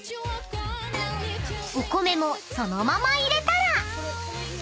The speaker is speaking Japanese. ［お米もそのまま入れたら］